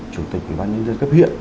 chủ tịch quỹ ban nhân dân cấp huyện